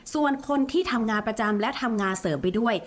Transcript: ส่วนคนที่ทำงานประจำและทำงานเสริมไปด้วย